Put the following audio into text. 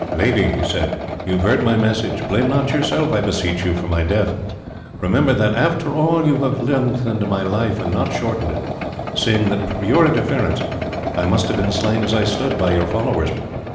"Lady," he said, "you have heard my message; blame not yourself, I beseech you, for my death. Remember that after all you have lengthened my life and not shortened it, seeing that but for your interference I must have been slain as I stood, by your followers.